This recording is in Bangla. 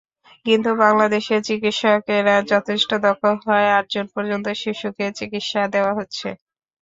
কিন্তু বাংলাদেশের চিকিৎসকেরা যথেষ্ট দক্ষ হওয়ায় আটজন পর্যন্ত শিশুকে চিকিৎসা দেওয়া হচ্ছে।